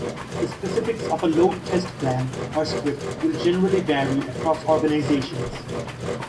The specifics of a load test plan or script will generally vary across organizations.